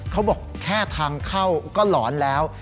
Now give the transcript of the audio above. เขาบอกแค่ทางเข้าก็หลอนแล้ว